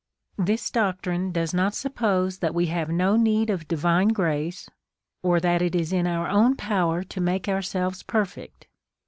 This doctrine does not suppose that we have no need of divine grace, or that it is in our own pow er to make ourselves perfect.